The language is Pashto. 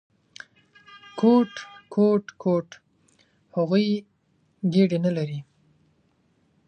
_کوټ، کوټ، کوټ… هغوی ګېډې نه لري!